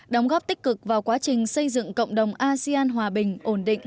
đóng góp tích cực vào quá trình xây dựng cộng đồng asean hòa bình ổn định